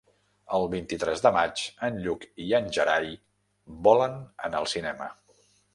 El vint-i-tres de maig en Lluc i en Gerai volen anar al cinema.